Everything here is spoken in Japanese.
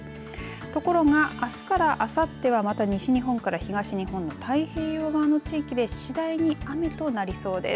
ところが、明日からあさってはまた、西日本から東日本も太平洋側の地域で次第に雨となりそうです。